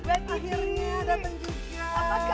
akhirnya datang juga